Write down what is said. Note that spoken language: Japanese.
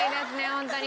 ホントに。